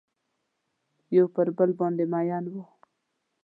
یو پر بل باندې میین وه